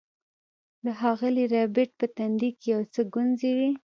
د ښاغلي ربیټ په تندي کې یو څه ګونځې وې